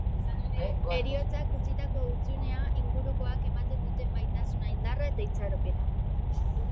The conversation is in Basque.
Heriotzak utzitako hutsunea, ingurukoak ematen duten maitasuna, indarra eta itxaropena.